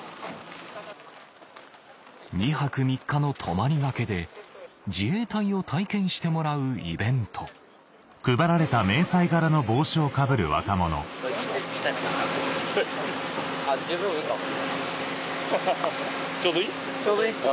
２泊３日の泊まりがけで自衛隊を体験してもらうイベントちょうどいいです。